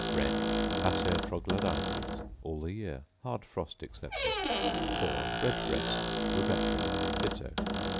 3. Wren, Passer troglodytes: All the year, hard frost excepted. 4. Red breast, Rubecula: Ditto.